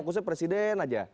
fokusnya presiden aja